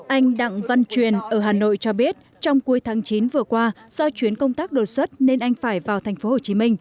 anh đặng văn truyền ở hà nội cho biết trong cuối tháng chín vừa qua do chuyến công tác đột xuất nên anh phải vào tp hcm